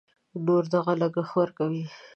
نور دغه لګښت ورکوي.